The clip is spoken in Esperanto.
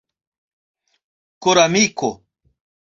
koramiko